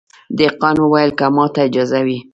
دهقان وویل که ماته اجازه وي